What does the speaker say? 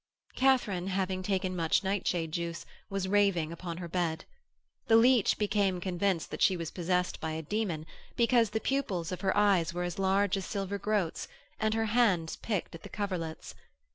Katharine, having taken much nightshade juice, was raving upon her bed. The leech became convinced that she was possessed by a demon, because the pupils of her eyes were as large as silver groats, and her hands picked at the coverlets.